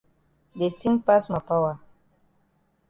De tin pass ma power.